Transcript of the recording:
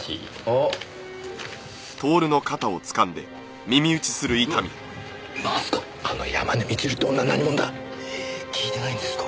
あの山根みちるって女何者だ！？え聞いてないんですか？